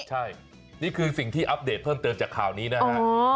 ใช่นี่คือสิ่งที่อัปเดตเพิ่มเติมจากข่าวนี้นะฮะ